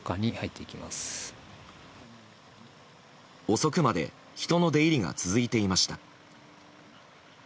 遅くまで人の出入りが続いていました。